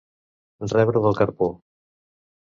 Rebre del carpó.